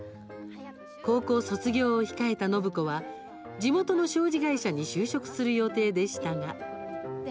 高校卒業を控えた暢子は地元の商事会社に就職する予定でしたが。